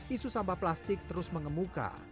isu sampah plastik terus mengemuka